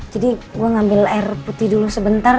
jadi gue ngambil air putih dulu sebentar